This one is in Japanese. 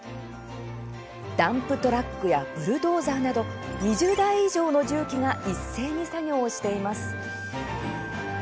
ダンプトラックやブルドーザーなど２０台以上の重機が一斉に作業をしています。